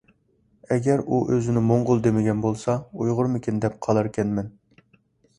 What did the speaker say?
ئەگەر ئۇ ئۆزىنى موڭغۇل دېمىگەن بولسا، ئۇيغۇرمىكىن دەپ قالاركەنمەن.